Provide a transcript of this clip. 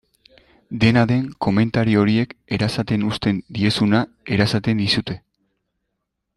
Dena den, komentario horiek erasaten uzten diezuna erasaten dizute.